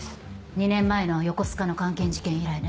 ２年前の横須賀の監禁事件以来ね。